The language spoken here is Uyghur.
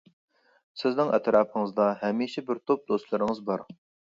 سىزنىڭ ئەتراپىڭىزدا ھەمىشە بىر توپ دوستلىرىڭىز بار.